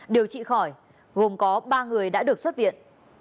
điều trị khỏi gồm có ba người đã được xuất viện